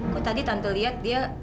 kok tadi tante lihat dia